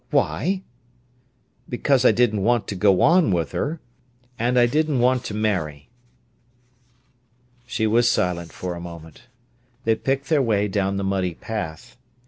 "Why?" "Because I didn't want to go on with her. And I didn't want to marry." She was silent for a moment. They picked their way down the muddy path.